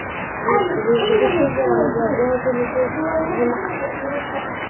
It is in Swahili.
virutubishi vya viazi lishe vinahitajika mwilini